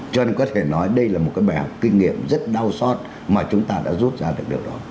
cho nên có thể nói đây là một cái bài học kinh nghiệm rất đau xót mà chúng ta đã rút ra được điều đó